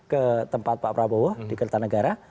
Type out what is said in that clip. ke tempat pak prabowo di kertanegara